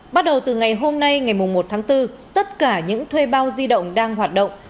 bắt đầu từ ngày hôm nay ngày một tháng bốn tất cả những thuê bao di động đang hoạt động